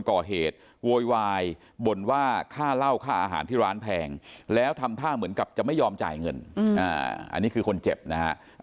โวยวายบ่นว่าค่าเหล้าค่าอาหารที่ร้านแพงแล้วทำท่าเหมือนกับจะไม่ยอมจ่ายเงินอันนี้คือคนเจ็บนะฮะ